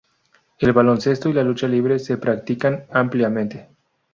El baloncesto y la lucha libre se practican ampliamente.